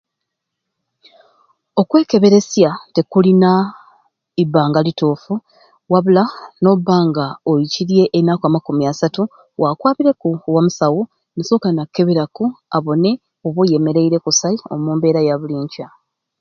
Okwekeberesya tikulina ibanga lituffu wabula n'obbanga oikiirye enaku amakumi asaatu waakwabireku ewa musawo n'asooka n'akeberaku abone oba oyemereire kusai omumbera yabuli nkya.